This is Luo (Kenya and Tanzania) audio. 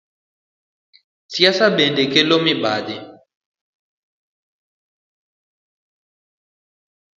Siasa bende kelo mibadhi.